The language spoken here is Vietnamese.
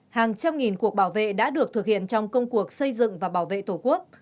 hàng trăm nghìn cuộc bảo vệ đã được thực hiện trong công cuộc xây dựng và bảo vệ tổ quốc